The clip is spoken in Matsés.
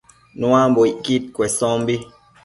Nuambocquid cuesombi